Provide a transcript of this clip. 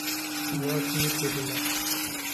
لاٹ نی کُریمہ